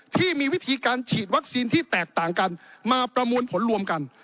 ที่มีวิธีการฉีดวัคซีนที่แตกต่างกันมาประมวลผลรวมกัน